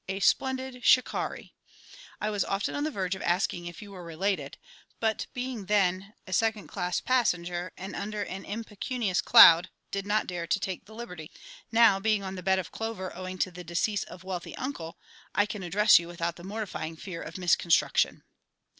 A splendid Shikarri! I was often on the verge of asking if you were related; but being then but a second class passenger, and under an impecunious cloud, did not dare to take the liberty. Now, being on the bed of clover owing to decease of wealthy uncle, I can address you without the mortifying fear of misconstruction."